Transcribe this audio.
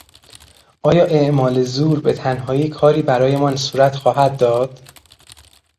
آیا اعمال زور به تنهایی کاری برایمان صورت خواهد داد؟